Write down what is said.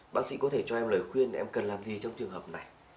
bác sĩ có thể cho em lời khuyên để em cần làm gì trong trường hợp này